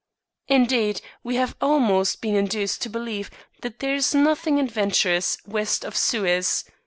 Indeed, we have almost been induced to believe that there is nothing adventurous west of Suez.